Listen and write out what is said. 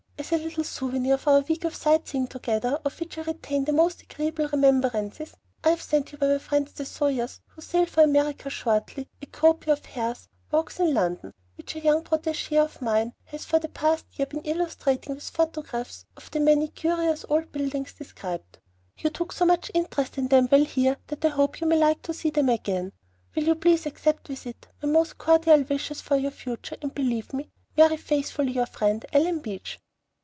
As a little souvenir of our week of sight seeing together, of which I retain most agreeable remembrances, I have sent you by my friends the Sawyers, who sail for America shortly, a copy of Hare's "Walks in London," which a young protégée of mine has for the past year been illustrating with photographs of the many curious old buildings described. You took so much interest in them while here that I hope you may like to see them again. Will you please accept with it my most cordial wishes for your future, and believe me Very faithfully your friend, ALLEN BEACH.